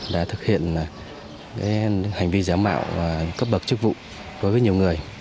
đã thực hiện hành vi giả mạo và cấp bật chức vụ với nhiều người